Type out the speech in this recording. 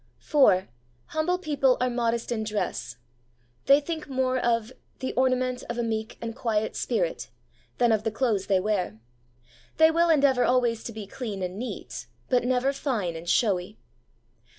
4. Humble people are modest in dress. They think more of ' the ornament of a meek and quiet spirit ' than of the clothes they wear. They will endeavour always to be clean and neat, but never fine and showy.